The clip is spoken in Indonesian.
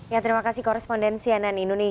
ya terima kasih korrespondensi anan indonesia